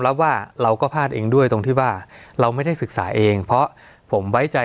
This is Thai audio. สวัสดีครับทุกผู้ชม